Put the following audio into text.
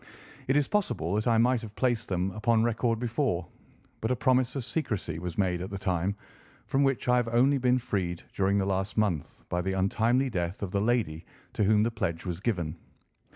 It is possible that I might have placed them upon record before, but a promise of secrecy was made at the time, from which I have only been freed during the last month by the untimely death of the lady to whom the pledge was given.